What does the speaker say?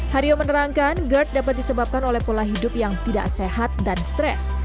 hario menerangkan gerd dapat disebabkan oleh pola hidup yang tidak sehat dan stres